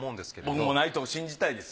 僕もないと信じたいです。